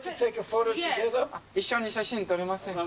一緒に写真撮りませんか？